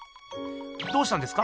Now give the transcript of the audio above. どうしたんですか？